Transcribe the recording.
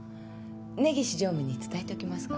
根岸常務に伝えておきます